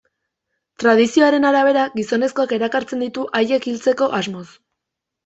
Tradizioaren arabera, gizonezkoak erakartzen ditu haiek hiltzeko asmoz.